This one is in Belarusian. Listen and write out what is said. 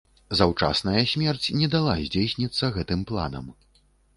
Заўчасная смерць не дала здзейсніцца гэтым планам.